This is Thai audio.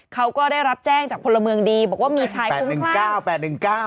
เขาก็ได้รับแจ้งจากพลเมืองดีบอกว่ามีชายคุ้มคลั่ง